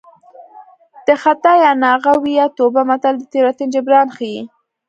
د خطا یا ناغه وي یا توبه متل د تېروتنې جبران ښيي